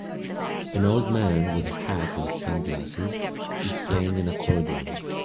An old man with a hat and sunglasses is playing an accordion.